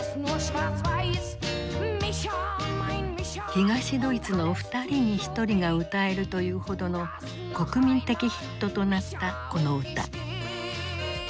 東ドイツの２人に１人が歌えるというほどの国民的ヒットとなったこの歌。